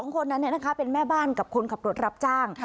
๒คนนั้นเนี่ยนะคะเป็นแม่บ้านกับคนขับรถรับจ้าง